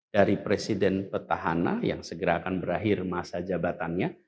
dari presiden petahana yang segera akan berakhir masa jabatannya